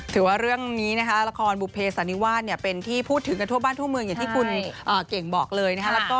ถือว่าเรื่องนี้นะคะละครบุเภสันนิวาสเป็นที่พูดถึงกันทั่วบ้านทั่วเมืองอย่างที่คุณเก่งบอกเลยนะครับ